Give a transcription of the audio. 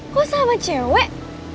kok sama cewek